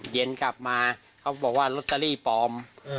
เย็นกลับมาเขาบอกว่าลอตเตอรี่ปลอม